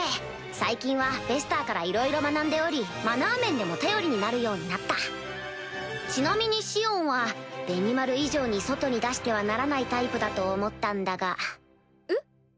最近はベスターからいろいろ学んでおりマナー面でも頼りになるようになったちなみにシオンはベニマル以上に外に出してはならないタイプだと思ったんだがえっ